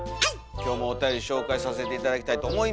今日もおたより紹介させて頂きたいと思いますが。